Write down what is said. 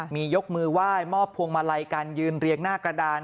มียกมือไหว้มอบพวงมาลัยการยืนเรียงหน้ากระดาน